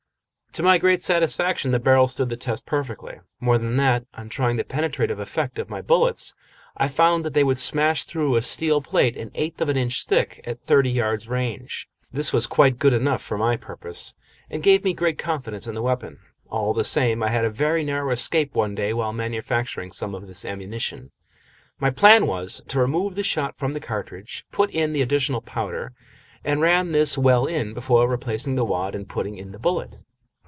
To my great satisfaction the barrel stood the test perfectly. More than that, on trying the penetrative effect of my bullets, I found that they would smash through a steel plate an eighth of an inch thick at thirty yards' range. This was quite good enough for my purpose, and gave me great confidence in the weapon. All the same, I had a very narrow escape one day while manufacturing some of this ammunition. My plan was to remove the shot from the cartridge, put in the additional powder, and ram this well in before replacing the wad and putting in the bullet.